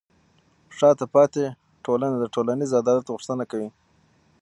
شاته پاتې ټولنه د ټولنیز عدالت غوښتنه کوي.